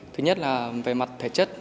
thứ nhất là về mặt thể chất